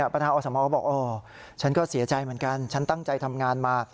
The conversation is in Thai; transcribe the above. ประธานอสมก็บอกอ๋อฉันก็เสียใจเหมือนกันฉันตั้งใจทำงานมา